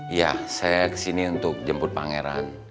iya saya kesini untuk jemput pangeran